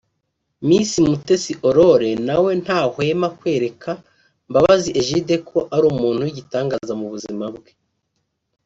Miss Mutesi Aurore na we ntahwema kwereka Mbabazi Egide ko ari umuntu w’igitangaza mu buzima bwe